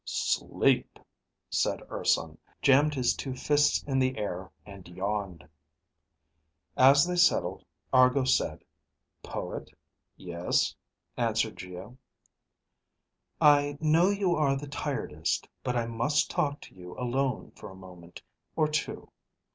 "Sleep!" said Urson, jammed his two fists in the air, and yawned. As they settled, Argo said, "Poet?" "Yes?" answered Geo. "I know you are the tiredest, but I must talk to you alone for a moment or two."